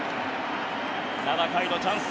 ７回のチャンス。